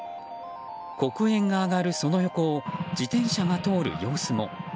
黒煙が上がるその横を自転車が通る様子も。